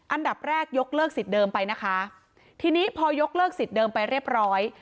อันดับแรกยกเลิกสิทธิ์เดิมไปนะคะทีนี้พอยกเลิกสิทธิ์เดิมไปเรียบร้อย